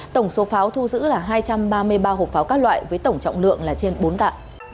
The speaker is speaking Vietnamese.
tổng số pháo thu giữ là hai trăm ba mươi ba hộp pháo các loại với tổng trọng lượng là trên bốn tạ